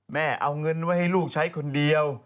แม่เอาเงินไว้ให้ลูกใช้คนเดียว